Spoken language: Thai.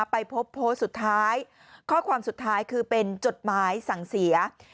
ไปพบโพสต์สุดท้ายข้อความสุดท้ายคือเป็นจดหมายสั่งเสีย